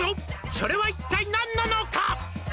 「それは一体何なのか？」